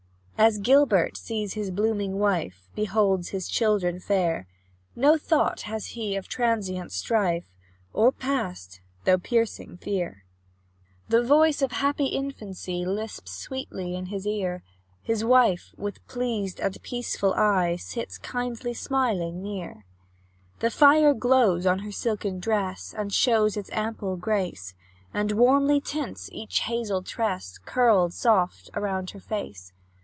As Gilbert sees his blooming wife, Beholds his children fair, No thought has he of transient strife, Or past, though piercing fear. The voice of happy infancy Lisps sweetly in his ear, His wife, with pleased and peaceful eye, Sits, kindly smiling, near. The fire glows on her silken dress, And shows its ample grace, And warmly tints each hazel tress, Curled soft around her face.